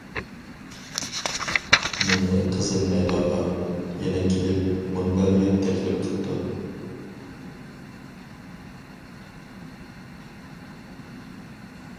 مېنى قىزىل مەيدانغا، يەنە كېلىپ، مۇنبەرگە تەكلىپ قىپتۇ.